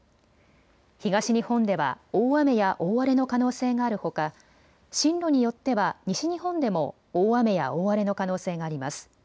東日本では大雨や大荒れの可能性があるほか進路によっては西日本でも大雨や大荒れの可能性があります。